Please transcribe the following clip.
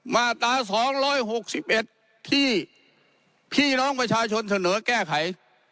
มาตราสองร้อยหกสิบเอ็ดที่พี่น้องประชาชนเสนอแก้ไข